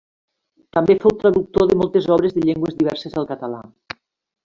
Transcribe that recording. També fou traductor de moltes obres de llengües diverses al català.